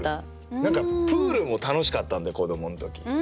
何かプールも楽しかったんで子どもの時。